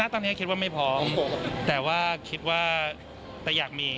ตอนนี้คิดว่าไม่พร้อมแต่ว่าคิดว่าแต่อยากมี